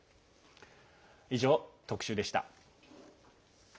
以上、特集でした。